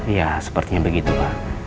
ya sepertinya begitu pa